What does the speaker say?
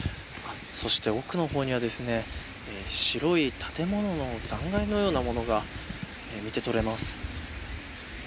そして奥の方には白い建物の残骸のようなものが見てとれます。